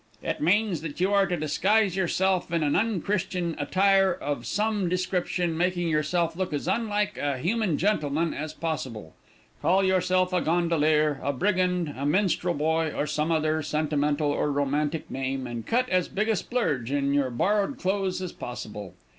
"It means that you are to disguise yourself in an un Christian attire of some description, making yourself look as unlike a 'human gentleman' as possible call yourself a 'Gondolier,' a 'Brigand,' a 'Minstrel Boy,' or some other sentimental or romantic name, and cut as big a splurge in your borrowed clothes as possible.